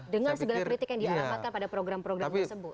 dengan segala kritik yang dialamatkan pada program program tersebut